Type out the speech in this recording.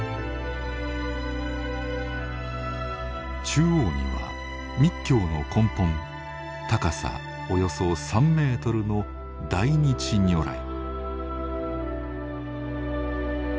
中央には密教の根本高さおよそ３ｍの大日如来。